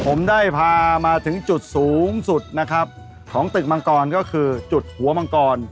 ผมได้พามาถึงจุดสูงสุดนะครับของตึกมังกรก็คือจุดหัวมังกร